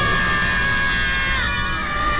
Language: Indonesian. tidak ada yang bisa dipercaya